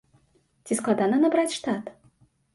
Ці складана набраць штат?